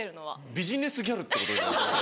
ビジネスギャルってこと？